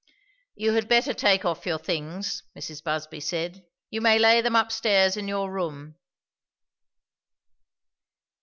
"You had better take off your things," Mrs. Busby said. "You may lay them up stairs in your room."